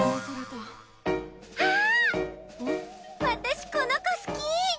私この子好き！